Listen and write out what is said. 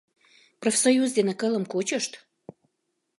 Профсоюз дене кылым кучышт.